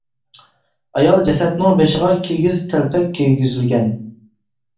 ئايال جەسەتنىڭ بېشىغا كىگىز تەلپەك كىيگۈزۈلگەن.